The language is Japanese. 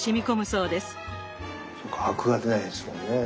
そうかアクが出ないですもんね。